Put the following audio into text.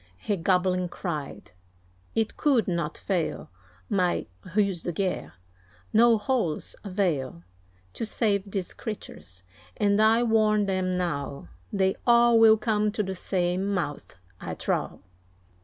he gobbling cried, "It could not fail, My ruse de guerre; no holes avail To save these creatures, and I warn them now, They all will come to the same mouth, I trow."